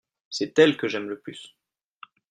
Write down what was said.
c'est elle que j'aime le plus.